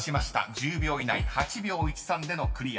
［１０秒以内８秒１３でのクリア］